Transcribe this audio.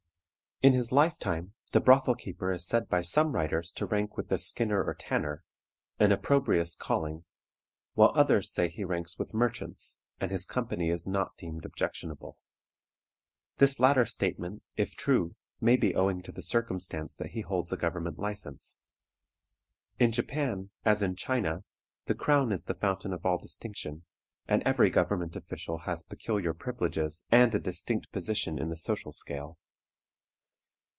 In his lifetime the brothel keeper is said by some writers to rank with the skinner or tanner, an opprobrious calling, while others say he ranks with merchants, and his company is not deemed objectionable. This latter statement, if true, may be owing to the circumstance that he holds a government license. In Japan, as in China, the crown is the fountain of all distinction, and every government official has peculiar privileges and a distinct position in the social scale.